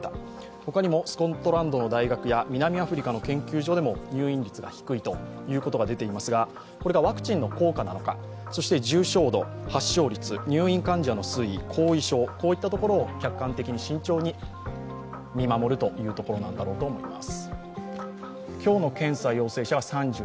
他にもスコットランドの大学や南アフリカの研究所でも入院率が低いということが出ていますが、これがワクチンの効果なのか、重症度、発症率、入院患者の推移、後遺症、こういったところを客観的に慎重に見守るというところなんだろうと思います。